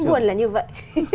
đáng buồn là như vậy